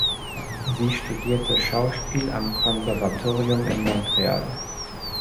Sie studierte Schauspiel am Konservatorium in Montreal.